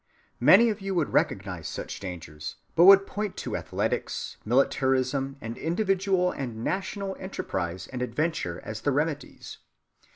Many of you would recognize such dangers, but would point to athletics, militarism, and individual and national enterprise and adventure as the remedies.